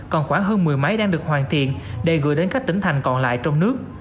còn khoảng hơn một mươi máy đang được hoàn thiện để gửi đến các tỉnh thành còn lại trong nước